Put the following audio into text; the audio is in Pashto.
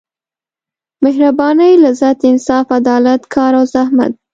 مهربانۍ لذت انصاف عدالت کار او زحمت.